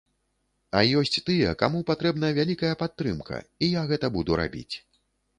А ёсць тыя, каму патрэбна вялікая падтрымка, і я гэта буду рабіць.